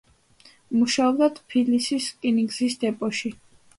მუშაობდა ტფილისის რკინიგზის დეპოში.